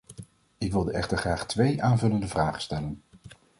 Ik wilde echter graag twee aanvullende vragen stellen.